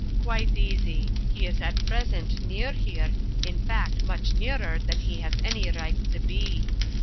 "Quite easy. He is at present near here, in fact much nearer than he has any right to be."